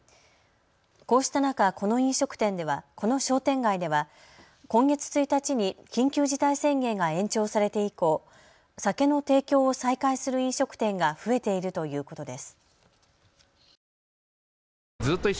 こうした中、この商店街では今月１日に緊急事態宣言が延長されて以降、酒の提供を再開する飲食店が増えているということです。